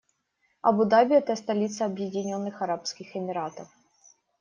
Абу-Даби - это столица Объединённых Арабских Эмиратов.